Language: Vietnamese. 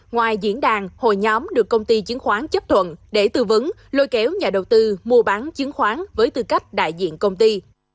ngoài diễn đàn hồi nhóm được công ty chứng khoán chấp thuận để tư vấn lôi kéo nhà đầu tư mua bán chứng khoán với tư cách đại diện công ty